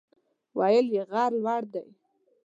ویل یې غر لوړ دی.